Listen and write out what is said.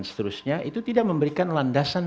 seterusnya itu tidak memberikan landasan